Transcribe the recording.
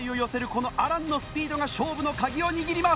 このアランのスピードが勝負の鍵を握ります！